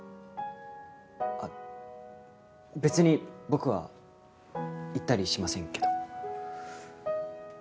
あっべつに僕は言ったりしませんけど。